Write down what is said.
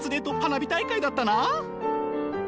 花火大会だったなあ！